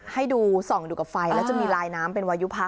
ให้ดูส่องดูกับไฟแล้วจะมีลายน้ำเป็นวายุพัก